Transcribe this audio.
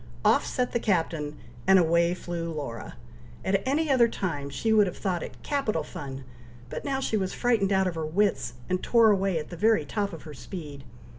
Off set the Captain, and away flew Laura. At any other time she would have thought it capital fun, but now she was frightened out of her wits, and tore away at the very top of her speed.